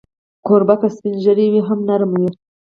کوربه که سپین ږیری وي، هم نرم وي.